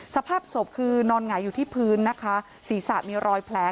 สภาพศพคือนอนหงายอยู่ที่พื้นนะคะศีรษะมีรอยแผล